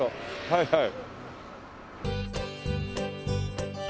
はいはい。